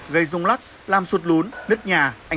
gây rung lắc làm sụt lún nứt nhà